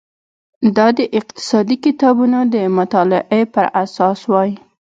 دا د اقتصادي کتابونو د مطالعې پر اساس وای.